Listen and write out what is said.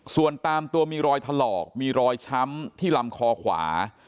ส่วนตามตัวมีรอยถลอกมีรอยช้ำที่ลำคอขวา